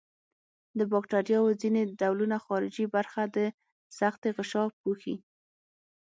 د باکتریاوو ځینې ډولونه خارجي برخه د سختې غشا پوښي.